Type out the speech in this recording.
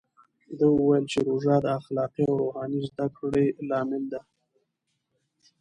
ده وویل چې روژه د اخلاقي او روحاني زده کړې لامل ده.